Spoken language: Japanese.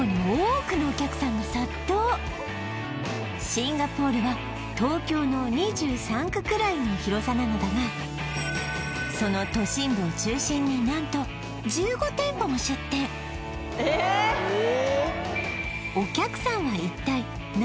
シンガポールは東京の２３区くらいの広さなのだがその都心部を中心に何と１５店舗も出店えーっえーっ